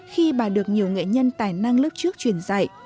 khi bà được nhiều nghệ nhân tài năng lớp trước truyền dạy